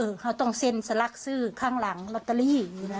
เราต้องเซ็นสลักซื้อข้างหลังรอตเตอรี่